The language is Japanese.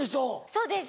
そうです。